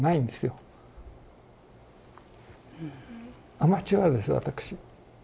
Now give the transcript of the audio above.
アマチュアです私。